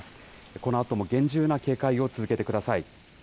このあとも厳重な警戒を続けてください。